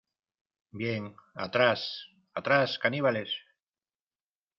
¡ Bien, atrás! ¡ atrás , caníbales !